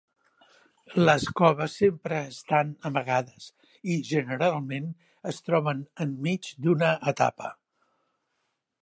Les coves sempre estan amagades i generalment es troben enmig d'una etapa.